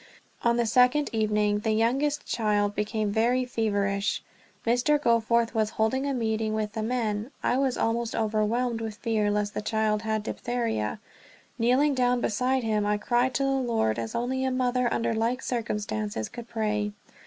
On the second evening the youngest child became very feverish. Mr. Goforth was holding a meeting with the men. I was almost overwhelmed with fear lest the child had diphtheria. Kneeling down beside him, I cried to the Lord as only a mother under like circumstances could pray.